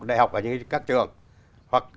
đại học ở các trường hoặc